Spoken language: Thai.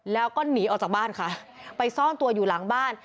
แล้วก็หนีออกจากบ้านค่ะไปซ่อนตัวอยู่หลังบ้าน